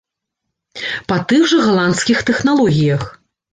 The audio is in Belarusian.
Па тых жа галандскіх тэхналогіях.